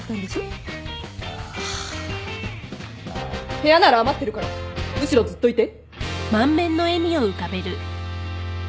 部屋なら余ってるからむしろずっといて。